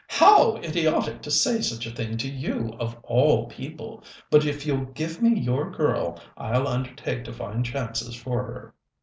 How idiotic to say such a thing to you, of all people! But if you'll give me your girl, I'll undertake to find chances for her.